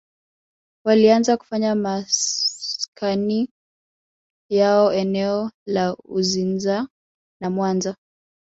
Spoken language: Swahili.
Walianza kufanya maskani yao eneo la Uzinza na Mwanza